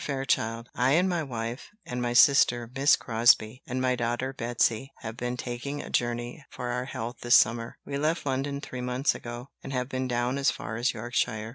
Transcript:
FAIRCHILD, "I and my wife, and my sister Miss Crosbie, and my daughter Betsy, have been taking a journey for our health this summer. We left London three months ago, and have been down as far as Yorkshire.